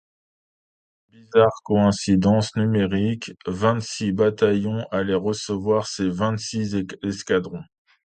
Bizarre coïncidence numérique, vingt-six bataillons allaient recevoir ces vingt-six escadrons.